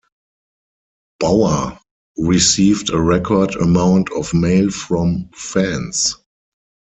Bauer received a record amount of mail from fans.